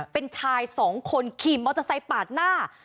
เป็นชายสองคนขี่มอเตอร์ไซค์ปาดหน้า